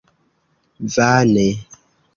Vane.